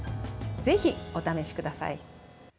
ぜひ、お試しください。